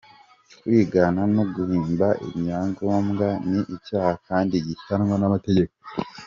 Kwigana no guhimba ibyangombwa ni icyaha kandi gihanwa n’amategeko”.